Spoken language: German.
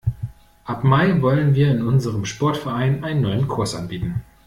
Ab Mai wollen wir in unserem Sportverein einen neuen Kurs anbieten.